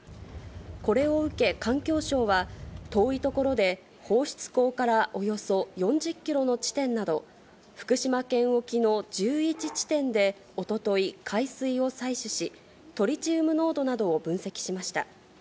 これを受け、環境省は遠い所で放出口からおよそ４０キロの地点など、福島県沖の１１地点でおととい、海水を採取し、トリチウム濃度などを分析しました。